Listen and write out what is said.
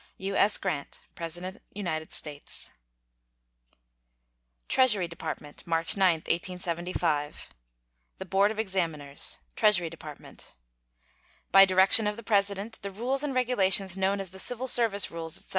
U.S. GRANT, President United States. TREASURY DEPARTMENT, March 9, 1875. The BOARD OF EXAMINERS, Treasury Department: By direction of the President, the rules and regulations known as the civil service rules, etc.